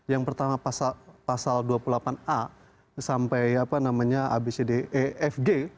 yang pertama pasal dua puluh delapan a sampai abcdefg